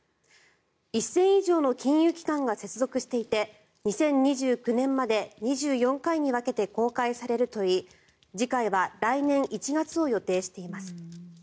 １０００以上の金融機関が接続していて２０２９年まで２４回に分けて更改されるといい次回は来年１月を予定しています。